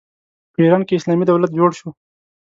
په ایران کې اسلامي دولت جوړ شو.